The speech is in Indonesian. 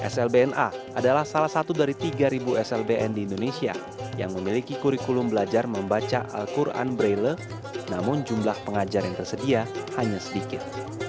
slbna adalah salah satu dari tiga slbn di indonesia yang memiliki kurikulum belajar membaca al quran braille namun jumlah pengajar yang tersedia hanya sedikit